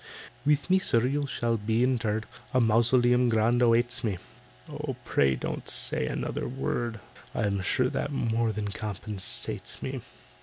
"With me, sir, you shall be interred, A mausoleum grand awaits me." "Oh, pray don't say another word, I'm sure that more than compensates me.